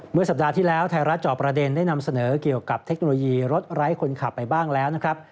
สัปดาห์ที่แล้วไทยรัฐจอบประเด็นได้นำเสนอเกี่ยวกับเทคโนโลยีรถไร้คนขับไปบ้างแล้วนะครับ